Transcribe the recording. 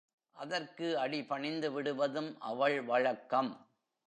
அதற்கு அடி பணிந்துவிடுவதும் அவள் வழக்கம்.